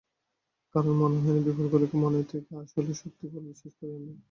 কারণ মনে হয় না বিপদগুলোকে মন থেকে আসলে সত্যি বলে বিশ্বাস করি আমরা।